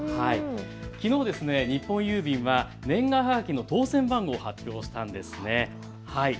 きのう日本郵便は年賀はがきの当せん番号を発表したんですね。